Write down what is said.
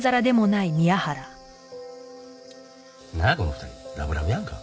なんやこの２人ラブラブやんか。